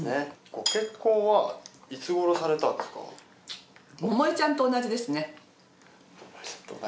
ご結婚はいつごろされたんですか？